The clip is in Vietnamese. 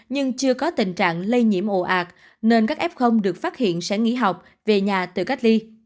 nhưng chưa có tình trạng lây nhiễm ồ ạc nên các f được phát hiện sẽ nghỉ học về nhà tự cách ly